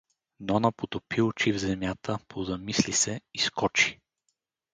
Нона потопи очи в земята, позамисли се и скочи.